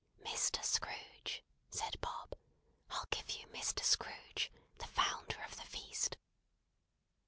"Mr. Scrooge!" said Bob; "I'll give you Mr. Scrooge, the Founder of the Feast!"